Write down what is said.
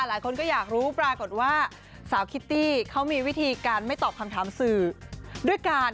หลายคนก็อยากรู้ปรากฏว่าสาวคิตตี้เขามีวิธีการไม่ตอบคำถามสื่อด้วยกัน